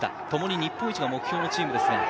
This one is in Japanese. ともに日本一の目標のチームです。